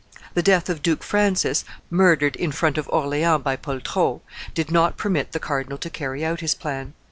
The death of Duke Francis, murdered in front of Orleans by Poltrot, did not permit the cardinal to carry out his plan.